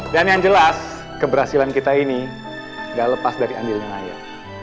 dan yang jelas keberhasilan kita ini gak lepas dari andilnya naya